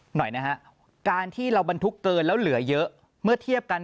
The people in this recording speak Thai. หน่อยนะฮะการที่เราบรรทุกเกินแล้วเหลือเยอะเมื่อเทียบกัน